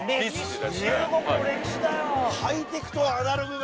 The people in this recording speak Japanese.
中国の歴史だよ。